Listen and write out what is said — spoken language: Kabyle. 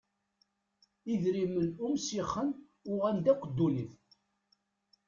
Idrimen umsixen uɣen-d akk ddunit.